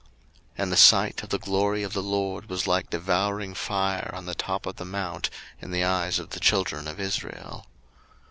02:024:017 And the sight of the glory of the LORD was like devouring fire on the top of the mount in the eyes of the children of Israel.